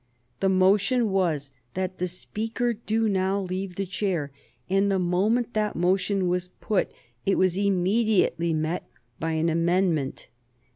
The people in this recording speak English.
The motion was that the Speaker do now leave the chair, and the moment that motion was put it was immediately met by an amendment.